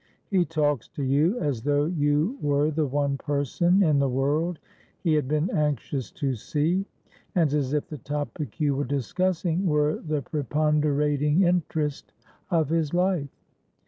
He talks to you as though you were the one person in the world he had been anxious to see, and as if the topic you were discussing were the preponderating interest of his life.